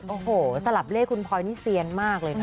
โอ้โหสลับเลขคุณพลอยนี่เซียนมากเลยค่ะ